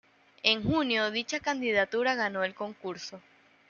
En junio, dicha candidatura ganó el concurso.